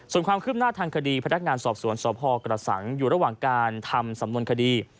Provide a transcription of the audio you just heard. ส่วนความขึ้นหน้าทางคดีพฤติกรรมสอบสวนสอบฮอกระสังข์อยู่ระหว่างการทำสำนวนคดี